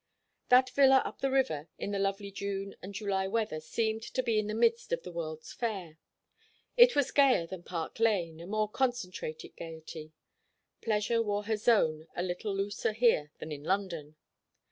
That villa up the river in the lovely June and July weather seemed to be in the midst of the world's fair. It was gayer than Park Lane a more concentrated gaiety. Pleasure wore her zone a little looser here than in London.